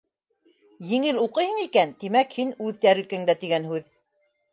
Еңел уҡыйһың икән, тимәк, һин үҙ тәрилкәңдә тигән һүҙ.